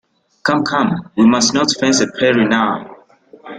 Come, come, we must not fence and parry now.